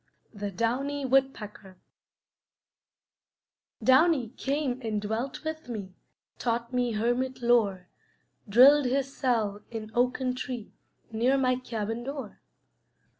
THE DOWNY WOODPECKER Downy came and dwelt with me, Taught me hermit lore; Drilled his cell in oaken tree Near my cabin door.